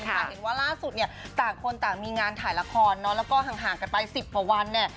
ค่ะเห็นว่าล่าสุดเนี้ยต่างคนต่างมีงานถ่ายละครเนอะแล้วก็ห่างห่างกันไปสิบกว่าวันเนี้ย